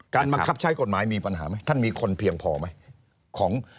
บังคับใช้กฎหมายมีปัญหาไหมท่านมีคนเพียงพอไหม